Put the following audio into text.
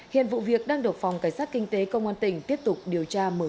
hiện vụ việc đang được phòng cảnh sát kinh tế công an tỉnh tiếp tục điều tra mở rộng